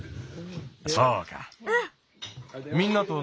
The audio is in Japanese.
そうか。